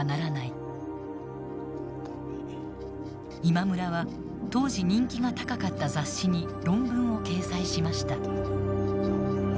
今村は当時人気が高かった雑誌に論文を掲載しました。